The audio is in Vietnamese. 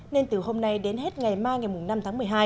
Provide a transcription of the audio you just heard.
nên từ hôm nay đến hết ngày mai ngày năm tháng một mươi hai